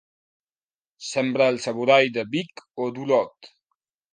Semblar el saborall de Vic o d'Olot.